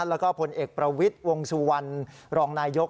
แล้วก็ผลเอกประวิทย์วงสุวรรณรองนายก